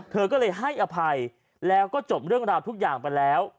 เธอก็เลยให้อภัยแล้วก็จบเรื่องราวทุกอย่างไปแล้ว